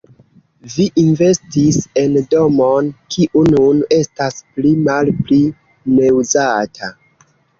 Vi investis en domon, kiu nun estas pli malpli neuzata.